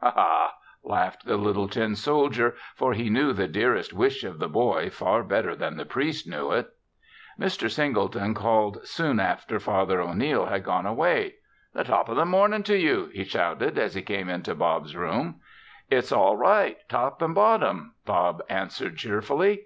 "Ha ha!" laughed the little tin soldier for he knew the dearest wish of the boy far better than the priest knew it. Mr. Singleton called soon after Father O'Neil had gone away. "The top of the morning to you!" he shouted, as he came into Bob's room. "It's all right top and bottom," Bob answered cheerfully.